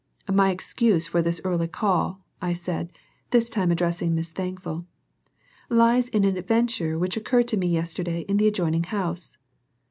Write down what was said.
"My excuse for this early call," I said, this time addressing Miss Thankful, "lies in an adventure which occurred to me yesterday in the adjoining house."